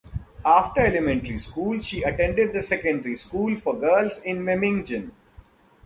After elementary school she attended the secondary school for girls in Memmingen.